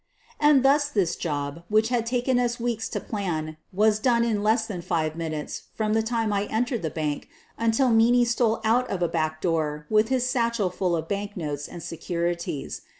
And thus this job, which had taken us weeks to plan, was done in less than five minutes from the time I entered the bank until Meaney stole out of a back door with his satchel full of bank notes and securities.